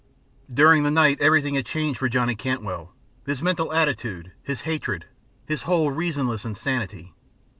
During the night everything had changed for Johnny Cantwell; his mental attitude, his hatred, his whole reasonless insanity.